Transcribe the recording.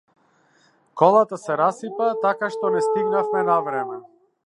Колата се расипа така што не стигнавме на време.